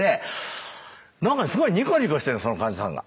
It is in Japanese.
なんかねすごいニコニコしてるのその患者さんが。